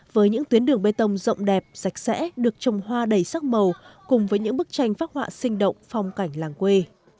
với những tuyến đường bê tông rộng đẹp sạch sẽ được trồng hoa đầy sắc màu cùng với những bức tranh phát họa sinh động phong cảnh làng quê